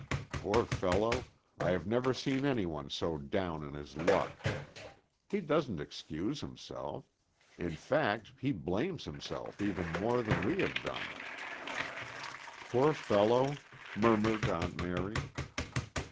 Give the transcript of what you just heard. Poor fellow, I have never seen any one so down on his luck. He doesn't excuse himself. In fact, he blames himself even more than we have done." "Poor fellow," murmured Aunt Mary.